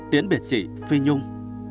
tiến biệt chị phi nhung